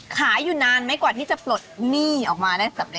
ขายอยู่นานไหมกว่าที่จะปลดหนี้ออกมานะ